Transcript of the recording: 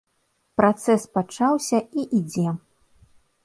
Працэс пачаўся і ідзе.